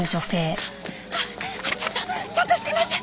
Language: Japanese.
ちょっとちょっとすいません。